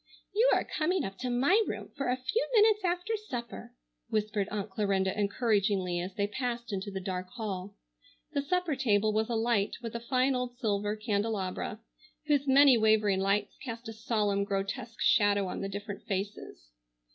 "You are coming up to my room for a few minutes after supper," whispered Aunt Clarinda encouragingly as they passed into the dark hall. The supper table was alight with a fine old silver candelabra whose many wavering lights cast a solemn, grotesque shadow on the different faces.